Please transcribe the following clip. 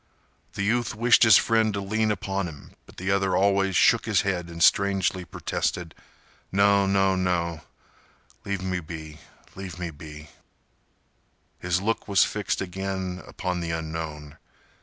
The youth wished his friend to lean upon him, but the other always shook his head and strangely protested. "No—no—no—leave me be—leave me be—" His look was fixed again upon the unknown.